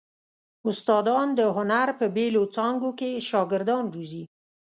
استادان د هنر په بېلو څانګو کې شاګردان روزي.